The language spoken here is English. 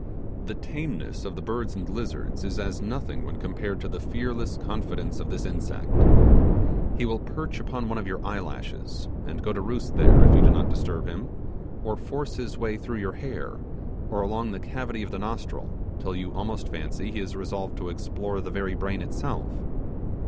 The tameness of the birds and lizards is as nothing when compared to the fearless confidence of this insect. He will perch upon one of your eye lashes, and go to roost there if you do not disturb him, or force his way through your hair, or along the cavity of the nostril, till you almost fancy he is resolved to explore the very brain itself.